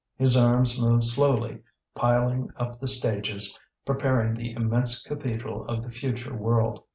His arms moved slowly, piling up the stages, preparing the immense cathedral of the future world.